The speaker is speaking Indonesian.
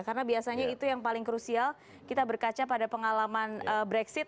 karena biasanya itu yang paling krusial kita berkaca pada pengalaman breksit